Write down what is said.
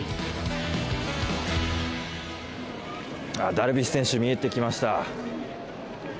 ダルビッシュ選手見えてきました。